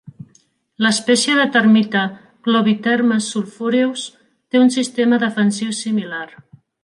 L'espècie de termita "Globitermes sulphureus" té un sistema defensiu similar.